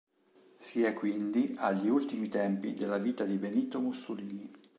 Si è quindi agli ultimi tempi della vita di Benito Mussolini.